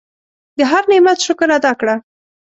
د هر نعمت شکر ادا کړه.